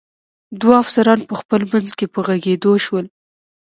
دوه افسران په خپل منځ کې په وږغېدو شول.